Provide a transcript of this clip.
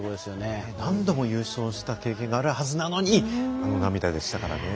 何度も優勝した経験があるはずなのにあの涙でしたからね。